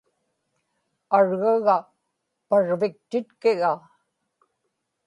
argaga parviktitkiga